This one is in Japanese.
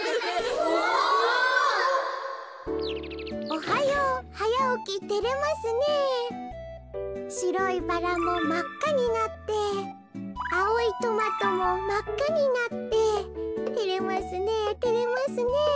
「おはようはやおきてれますねえしろいバラもまっかになってあおいトマトもまっかになっててれますねえてれますねえ